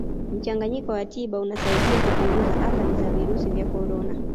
mchanganyiko wa tiba unasaidia kupunguza athari za virusi vya corona